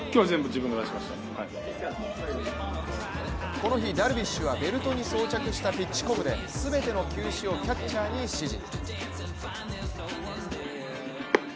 この日、ダルビッシュはベルトに装着したピッチコムで全ての球種をキャッチャーに指示。